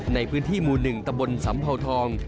ในพื้นที่หมู่๑ตะบนสำเภาทอง